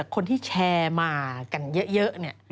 คนที่แชร์มากันเยอะเนี่ย